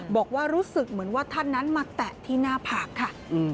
บอกว่ารู้สึกเหมือนว่าท่านนั้นมาแตะที่หน้าผากค่ะ